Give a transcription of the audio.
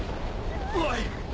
おい！